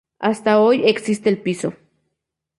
Hasta hoy existe el piso.